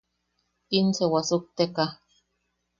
Quince wasukteka.